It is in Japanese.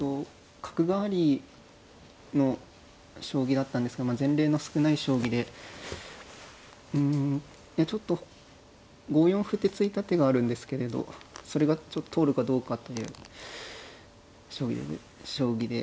角換わりの将棋だったんですけど前例の少ない将棋でうんちょっと５四歩って突いた手があるんですけれどそれが通るかどうかという将棋で。